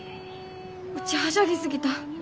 うちはしゃぎ過ぎた。